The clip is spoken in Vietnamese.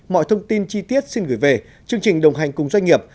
mọi thông tin chi tiết xin gửi về chương trình đồng hành cùng doanh nghiệp